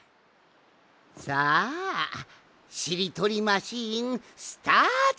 さあしりとりマシーンスタート！